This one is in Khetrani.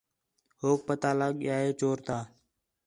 ہوک پتہ لڳ ڳیا ہے چور تا